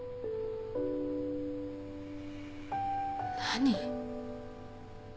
何？